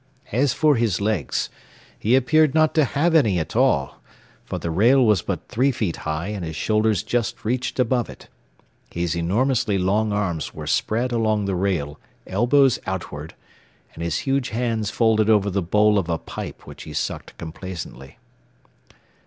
As for his legs, he appeared not to have any at all, for the rail was but three feet high and his shoulders just reached above it; his enormously long arms were spread along the rail, elbows outward, and his huge hands folded over the bowl of a pipe which he sucked complacently.